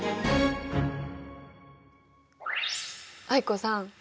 藍子さん